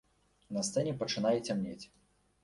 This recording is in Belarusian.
На сцэне пачынае цямнець.